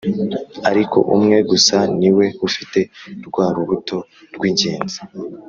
ariko umwe gusa ni we ufite rwa rubuto rw'ingenzi,